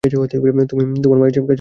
তুমি তোমার মায়ের কাছে টাকা চেয়েছিলে।